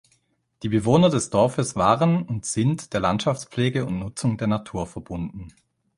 Die Bewohner des Dorfes waren und sind der Landschaftspflege und Nutzung der Natur verbunden.